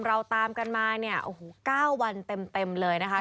เราตามกันมา๙วันเต็มเลยนะคะ